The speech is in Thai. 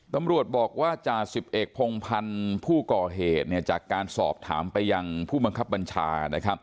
ตำรวจบอกว่าจ่าสิบเอกพงพันธ์ผู้ก่อเหตุจากการสอบถามไปยังผู้บังคับบัญชา